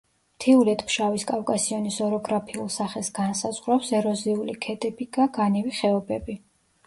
მთიულეთ-ფშავის კავკასიონის ოროგრაფიულ სახეს განსაზღვრავს ეროზიული ქედები გა განივი ხეობები.